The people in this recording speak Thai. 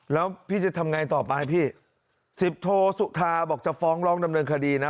แล้วพี่จะทำไงต่อไปพี่สิบโทสุธาบอกจะฟ้องร้องดำเนินคดีนะ